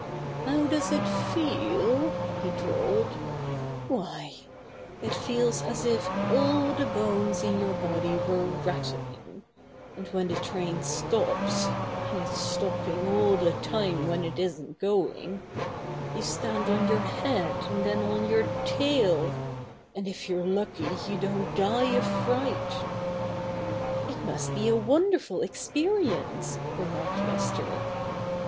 "How does it feel?" he drawled. "Why, it feels as if all the bones in your body were rattling, and when the train stops — and its stopping all the time when it isn't going — you stand on your head and then on your tail, and if you're lucky you don't die of fright." 90 Buster the Bear must be a wonderful experience," re marked Buster.